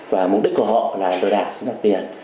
và mục đích của họ là lừa đảo lừa đảo tiền